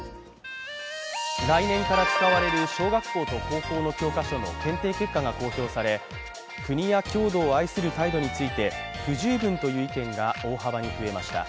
来年から使われる小学校から高校で使われる教科書の検定が行われ国や郷土を愛する態度について不十分という意見が大幅に増えました。